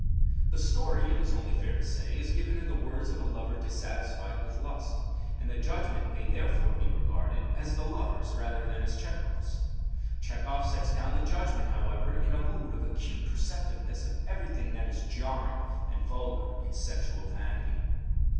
The story, it is only fair to say, is given in the words of a lover dissatisfied with lust, and the judgment may therefore be regarded as the lover's rather than as Tchehov's. Tchehov sets down the judgment, however, in a mood of acute perceptiveness of everything that is jarring and vulgar in sexual vanity.